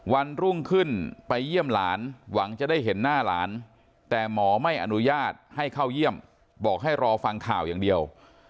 วันรุ่งขึ้นไปเยี่ยมหลานหวังจะได้เห็นหน้าหลานแต่หมอไม่อนุญาตให้เข้าเยี่ยมบอกให้รอฟังข่าวอย่างเดียว